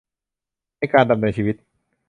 ในการดำเนินชีวิต